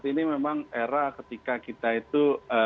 ini memang era ketika kita itu